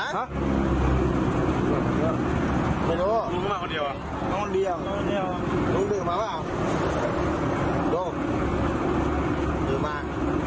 ฮะไม่รู้ลุงมาคนเดียวเหรอลุงดื่มมาเหรอลุงดื่มมาหรือเปล่าดื่มมา